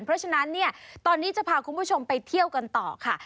เพราะฉะนั้นเนี่ยตอนนี้จะพาคุณผู้ชมไปเที่ยวกันต่อค่ะ